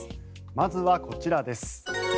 まずはこちらです。